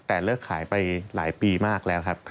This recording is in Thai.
แต่เลิกขายไปหลายปีมากแล้วครับ